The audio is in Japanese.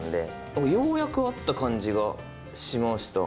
僕、ようやく会った感じがしました。